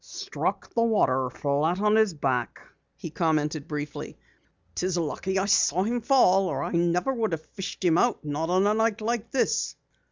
"Struck the water flat on his back," he commented briefly. "Lucky I saw him fall or I never could have fished him out. Not on a night like this."